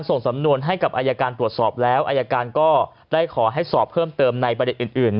ส่งสำนวนให้กับอายการตรวจสอบแล้วอายการก็ได้ขอให้สอบเพิ่มเติมในประเด็นอื่น